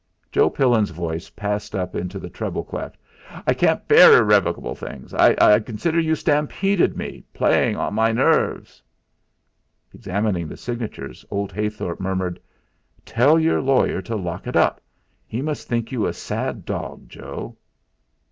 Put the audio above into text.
Joe Pillin's voice passed up into the treble clef. "I can't bear irrevocable things. I consider you stampeded me, playing on my nerves." Examining the signatures old Heythorp murmured: "Tell your lawyer to lock it up. He must think you a sad dog, Joe."